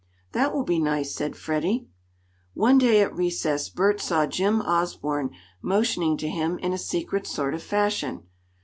"That will be nice," said Freddie. One day, at recess, Bert saw Jim Osborne motioning to him in a secret sort of fashion.